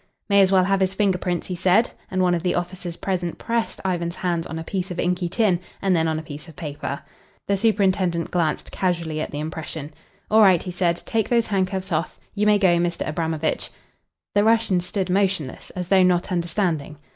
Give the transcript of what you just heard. "May as well have his finger prints," he said, and one of the officers present pressed Ivan's hands on a piece of inky tin, and then on a piece of paper. The superintendent glanced casually at the impression. "All right," he said. "Take those handcuffs off. You may go, Mr. Abramovitch." The Russian stood motionless, as though not understanding.